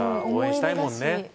応援したいもんね。